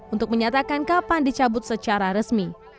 untuk menyatakan kapan dicabut secara resmi